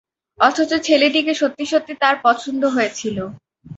অথচ ছেলেটিকে সত্যি সত্যি তাঁর পছন্দ হয়েছিল।